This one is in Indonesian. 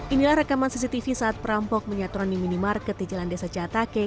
inilah rekaman cctv saat perampok menyaturan di minimarket di jalan desa catake